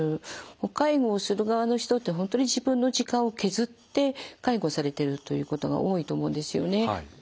介護をする側の人って本当に自分の時間を削って介護されてるということが多いと思うんですよね。